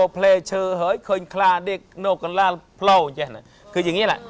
คืออย่างนี้แหละ